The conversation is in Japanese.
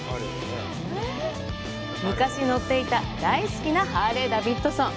昔乗っていた大好きなハーレーダビッドソン。